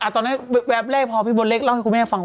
ตอนแรกแวบแรกพอพี่บนเลขเล่าให้คุณแม่ฟัง